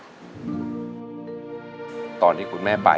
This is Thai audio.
ขอต้อนรับคุณพ่อตั๊กนะครับ